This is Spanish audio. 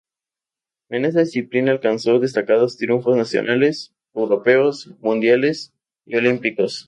En esta disciplina alcanzó destacados triunfos nacionales, europeos, mundiales y olímpicos.